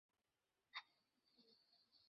অন্য কোনও পুরুষের কাছে?